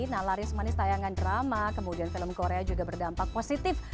nah laris manis tayangan drama kemudian film korea juga berdampak positif